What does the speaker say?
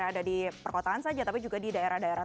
ada di perkotaan saja tapi juga di daerah daerah